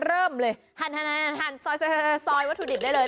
เริ่มเลยหันซอยวัตถุดิบได้เลย